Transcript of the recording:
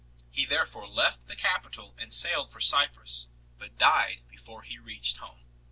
He therefore left the capital and sailed for Cyprus, but died before he reached home.